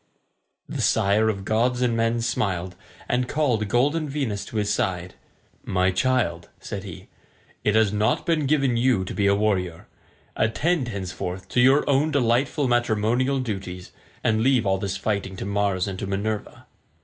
The sire of gods and men smiled, and called golden Venus to his side. "My child," said he, "it has not been given you to be a warrior. Attend, henceforth, to your own delightful matrimonial duties, and leave all this fighting to Mars and to Minerva."